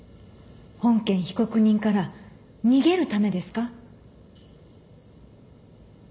本件被告人から逃げるためですか？